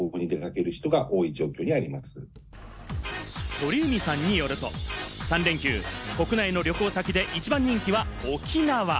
鳥海さんによると、３連休、国内の旅行先で一番人気は沖縄。